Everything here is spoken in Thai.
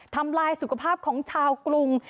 ทำลายสุขภาพของชาวกรุง